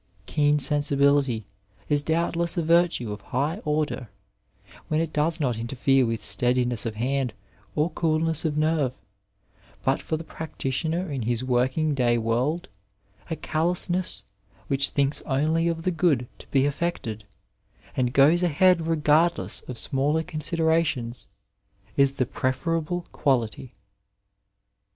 Keen sensibility is doubtless a virtue of high order, when it does not interfere with steadiness of hand or coolness of nerve ; but for the practitioner in his working day world, a callousness which thinks only of the good to be effected, and goes ahead regardless of smaller considerations, is the preferable quality.